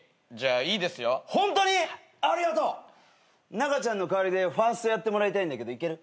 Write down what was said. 中ちゃんの代わりでファーストやってもらいたいんだけどいける？